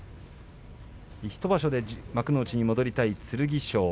１場所で幕内に戻りたい剣翔。